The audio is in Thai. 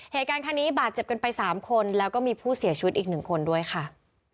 เหตุการณ์นี้บาดเจ็บกันไป๓คนแล้วก็มีผู้เสียชีวิตอีก๑คนด้วยค่ะ